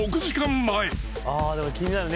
前ああでも気になるね